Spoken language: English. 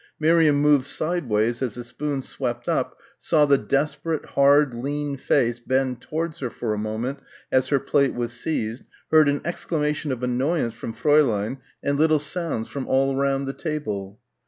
Miriam moved sideways as the spoon swept up, saw the desperate hard, lean face bend towards her for a moment as her plate was seized, heard an exclamation of annoyance from Fräulein and little sounds from all round the table.